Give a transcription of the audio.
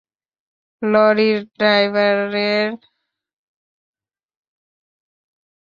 লরির ড্রাইভাররে ধর।